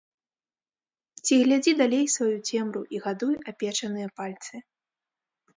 Ці глядзі далей сваю цемру і гадуй апечаныя пальцы.